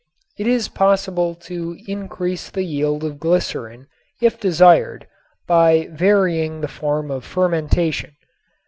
It is possible to increase the yield of glycerin if desired by varying the form of fermentation.